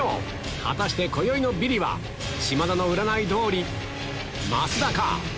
果たして今宵のビリは島田の占い通り増田か？